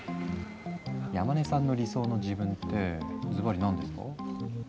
山根さんの理想の自分ってズバリ何ですか？